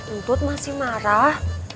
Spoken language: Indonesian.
untut masih marah